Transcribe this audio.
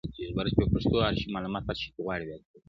يو يې دا وو له سلگونو رواجونو.